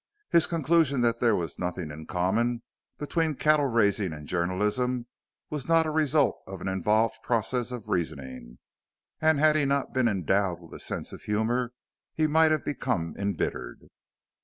His conclusion that there was nothing in common between cattle raising and journalism was not a result of an involved process of reasoning, and had he not been endowed with a sense of humor he might have become embittered.